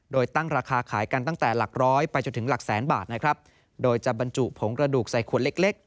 โดยตั้งราคาขายกันตั้งแต่หลักร้อยไปจนถึงหลักแสนบาทนะครับโดยจะบรรจุผงกระดูกใส่ขวดเล็กเล็ก